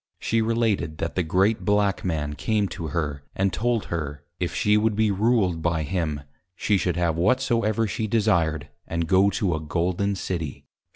She related, that the great Black Man came to her, and told her, if she would be ruled by him, she should have whatsoever she desired, and go to a Golden City.